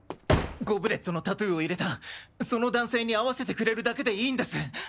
ゴブレットのタトゥーを入れたその男性に会わせてくれるだけでいいんです！